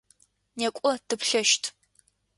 Некӏо тыплъэщт!